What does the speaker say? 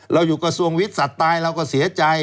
อยู่กระทรวงวิทย์สัตว์ตายเราก็เสียใจ